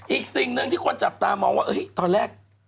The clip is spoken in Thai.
อีกสิ่งหนึ่งที่คนจับตามองว่าตอนแรก